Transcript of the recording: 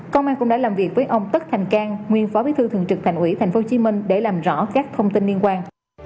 công an cũng đã làm việc với ông tất thành cang nguyên phó bí thư thường trực thành ủy tp hcm để làm rõ các thông tin liên quan